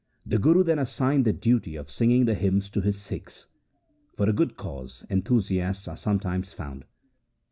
The Guru then assigned the duty of singing the hymns to his Sikhs. For a good cause enthusiasts are some times found.